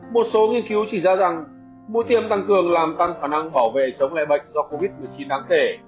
một số nghiên cứu chỉ ra rằng mũi tiêm tăng cường làm tăng khả năng bảo vệ chống lại bệnh do covid một mươi chín đáng kể